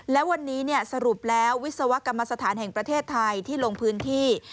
และวันนี้สรุปแล้ววิศวกรรมสถานแห่งประเทศไทยที่ลงพื้นที่